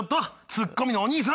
ツッコミのお兄さん！